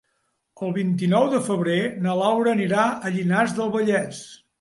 El vint-i-nou de febrer na Laura anirà a Llinars del Vallès.